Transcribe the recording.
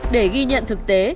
để ghi nhận thực tế